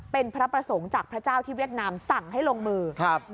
เป็นพระประสงค์จากพระเจ้าที่เวียดนามสั่งให้ลงมือครับ